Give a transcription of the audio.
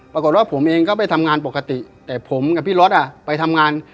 ปรากฏว่าผมเองก็ไปทำงานปกติแต่ผมกับพี่รถอ่ะไปทำงาน